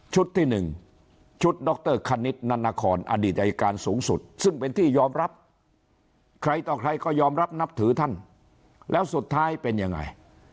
ที่๑ชุดดรคณิตนานครอดีตอายการสูงสุดซึ่งเป็นที่ยอมรับใครต่อใครก็ยอมรับนับถือท่านแล้วสุดท้ายเป็นยังไง